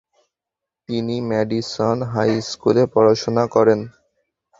তিনি Madison high স্কুলে পড়াশোনা করেন।